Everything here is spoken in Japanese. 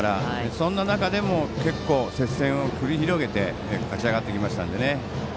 そんな中でも、接戦を繰り広げて勝ち上がってきましたので。